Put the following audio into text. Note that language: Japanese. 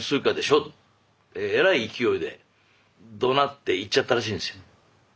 えらい勢いでどなって行っちゃったらしいんですよ。